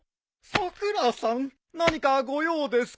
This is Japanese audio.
さくらさん何かご用ですか？